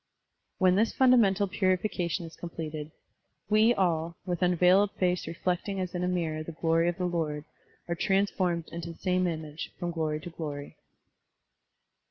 When this fundamental piuification is completed, "we all, with tmveiled face reflect ing as in a mirror the glory of the Lord, are transformed into the same image, from glory to glory.'